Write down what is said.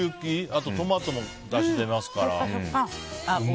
あと、トマトもだしが出ますから。